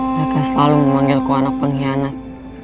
mereka selalu memanggilku anak pengkhianat